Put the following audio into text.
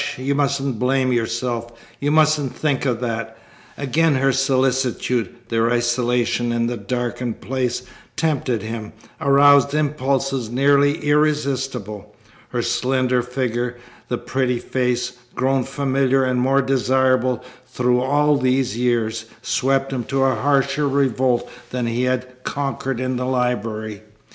You mustn't blame yourself. You mustn't think of that." Again her solicitude, their isolation in a darkened place, tempted him, aroused impulses nearly irresistible. Her slender figure, the pretty face, grown familiar and more desirable through all these years, swept him to a harsher revolt than he had conquered in the library.